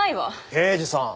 刑事さん